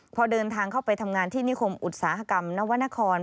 พอเดินทางเข้าไปทำงานที่นิคมอุตสาหกรรมนวรรณคร